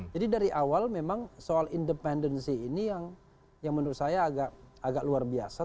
jadi dari awal memang soal independensi ini yang menurut saya agak luar biasa